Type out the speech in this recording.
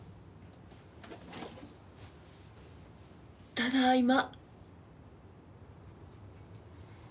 ただいま。